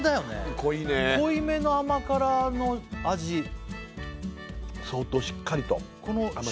濃いね濃いめの甘辛の味相当しっかりと甘じょ